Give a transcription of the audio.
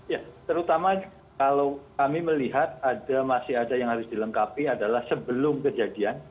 ya terutama kalau kami melihat ada masih ada yang harus dilengkapi adalah sebelum kejadian